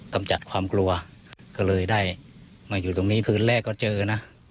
กำจัดความกลัวก็เลยได้มาอยู่ตรงนี้คืนแรกก็เจอนะ